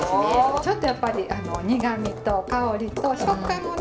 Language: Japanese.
ちょっとやっぱり苦味と香りと食感をね